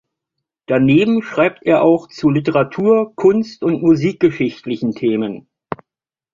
Daneben schreibt er auch zu literatur-, kunst- und musikgeschichtlichen Themen.